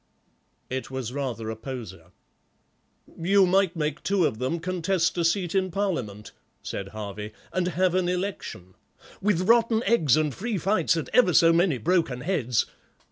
It was rather a poser. "You might make two of them contest a seat in Parliament," said Harvey, "an have an election—" "With rotten eggs, and free fights, and ever so many broken heads!"